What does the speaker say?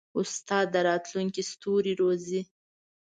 استاد د راتلونکي ستوري روزي.